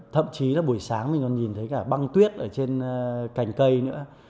thậm chí là buổi sáng mình còn nhìn thấy cả băng tuyết ở trên cành cây nữa